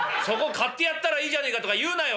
『買ってやったらいいじゃねえか』とか言うなよ。